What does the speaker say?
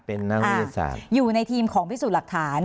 เป็นนักวิทยาศาสตร์อยู่ในทีมของพิสูจน์หลักฐาน